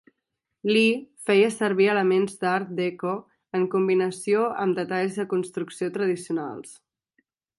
Lee feia servir elements d'art déco en combinació amb detalls de construcció tradicionals.